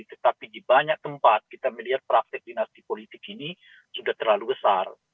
tetapi di banyak tempat kita melihat praktek dinasti politik ini sudah terlalu besar